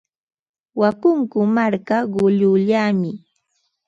Wakunku marka quñullami.